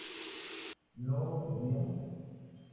¿no bebíamos?